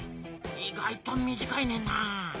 意外と短いねんな。